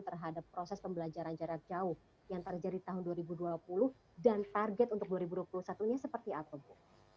terhadap proses pembelajaran jarak jauh yang terjadi tahun dua ribu dua puluh dan target untuk dua ribu dua puluh satu nya seperti apa bu